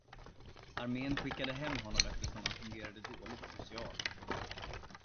Armén skickade hem honom eftersom han fungerade dåligt socialt.